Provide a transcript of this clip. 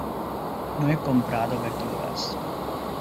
No he comprado verduras.